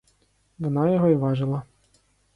Вона його й важила.